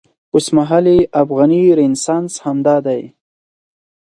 اوسمهالی افغاني رنسانس همدا دی.